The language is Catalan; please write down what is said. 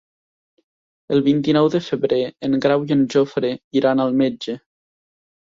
El vint-i-nou de febrer en Grau i en Jofre iran al metge.